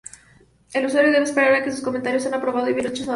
El usuario debe esperar a que su comentario sea aprobado o bien rechazado.